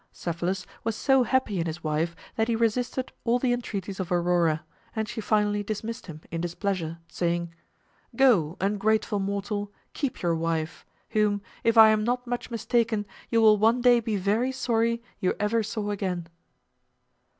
Cephalus was so happy in his wife that he resisted all the entreaties of Aurora, and she finally dismissed him in displeasure, saying, "Go, ungrateful mortal, keep your wife, whom, if I am not much mistaken, you will one day be very sorry you ever saw again."